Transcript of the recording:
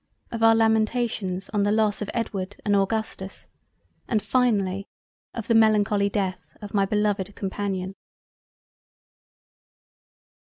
of our lamentations on the loss of Edward and Augustus and finally of the melancholy Death of my beloved Companion.